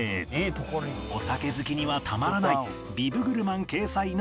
お酒好きにはたまらないビブグルマン掲載の姉妹店